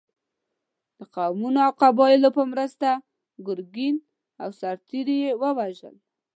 د قومونو او قبایلو په مرسته ګرګین او سرتېري یې ووژل.